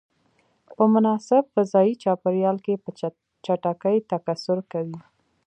په مناسب غذایي چاپیریال کې په چټکۍ تکثر کوي.